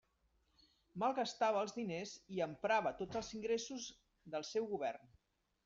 Malgastava els diners i emprava tots els ingressos del seu govern.